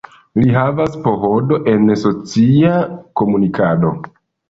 Li havas PhD en socia komunikado.